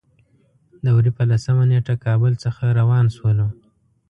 د وري په لسمه نېټه کابل څخه روان شولو.